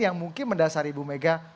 yang mungkin mendasari ibu mega